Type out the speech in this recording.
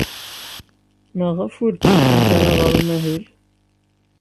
Maɣef ur d-tusimt ara ɣer umahil?